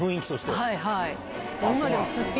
はいはい。